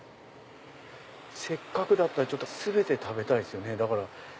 せっかくだったら全て食べたいですよね。